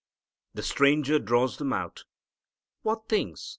The Stranger draws them out. "What things?"